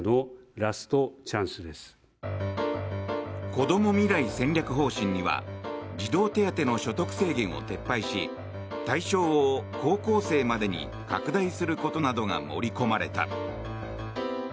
こども未来戦略方針には児童手当の所得制限を撤廃し対象を高校生までに拡大することなどが盛り込まれた。